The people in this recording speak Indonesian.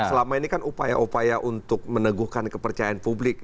selama ini kan upaya upaya untuk meneguhkan kepercayaan publik